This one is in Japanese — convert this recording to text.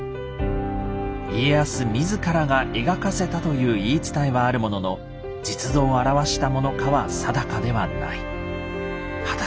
家康自らが描かせたという言い伝えはあるものの実像を表したものかは定かではない。